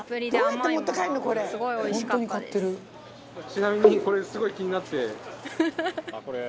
ちなみにこれすごい気になって。